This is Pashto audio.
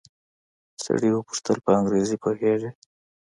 سړي وپوښتل په انګريزي پوهېږې.